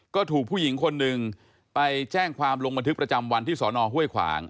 ก็ถูกผู้หญิงคนหนึ่งไปแจ้งความลงบันทึกประจำวันที่สอนอห้วยขวาง